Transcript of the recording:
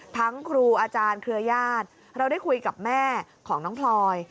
ครูอาจารย์เครือญาติเราได้คุยกับแม่ของน้องพลอย